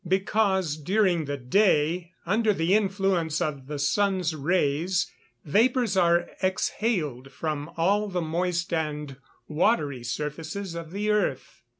_ Because, during the day, under the influence of the sun's rays, vapours are exhaled from all the moist and watery surfaces of the earth.